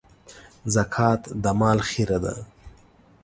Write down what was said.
زکات د مال خيره ده.